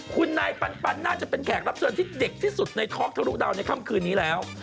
คุณนายปันน่าจะเป็นแขกรับเชิญที่เด็กที่สุดในท็อกทะลุดาวในค่ำคืนนี้แล้ว